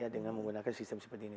dengan menggunakan sistem seperti ini